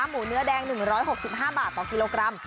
หมูเนื้อแดง๑๖๕บาทต่อกิโลกรัม